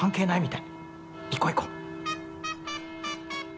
いこいこ。